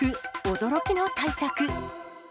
驚きの対策。